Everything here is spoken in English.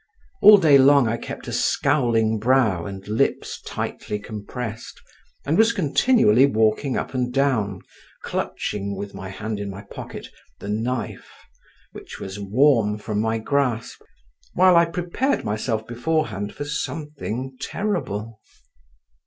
All day long I kept a scowling brow and lips tightly compressed, and was continually walking up and down, clutching, with my hand in my pocket, the knife, which was warm from my grasp, while I prepared myself beforehand for something terrible.